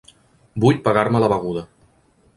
Vull pagar-me la beguda.